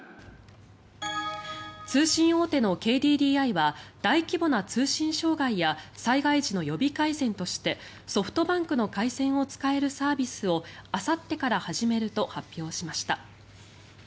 通信大手のＫＤＤＩは大規模な通信障害や災害時の予備回線としてソフトバンクの回線を使えるサービスをあさってから始めると発表しました。